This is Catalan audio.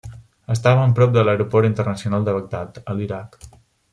Estaven prop de l'Aeroport Internacional de Bagdad, a l'Iraq.